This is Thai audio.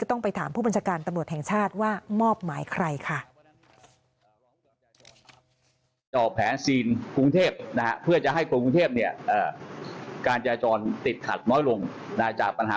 ต้องไปถามผู้บัญชาการตำรวจแห่งชาติว่ามอบหมายใครค่ะ